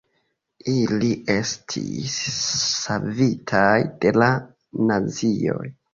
Ili estis savitaj de la nazioj.